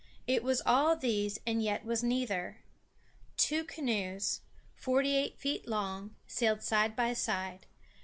It was all these and yet was neither. Two canoes, forty eight feet long, sailed side by side.